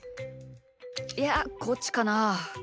いやこっちかなあ？